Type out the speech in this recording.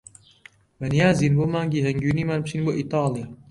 بەنیازین بۆ مانگی هەنگوینیمان بچین بۆ ئیتالیا.